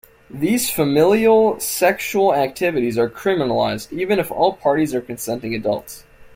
These familial sexual activities are criminalised, even if all parties are consenting adults.